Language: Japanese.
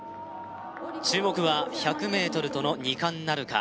注目は１００ｍとの２冠なるか？